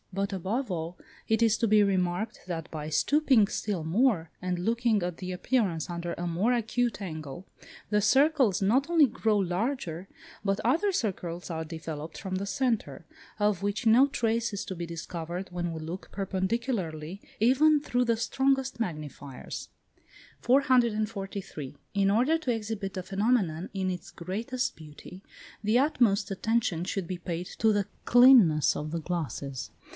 But, above all, it is to be remarked that by stooping still more, and looking at the appearance under a more acute angle, the circles not only grow larger but other circles are developed from the centre, of which no trace is to be discovered when we look perpendicularly, even through the strongest magnifiers. 443. In order to exhibit the phenomenon in its greatest beauty, the utmost attention should be paid to the cleanness of the glasses.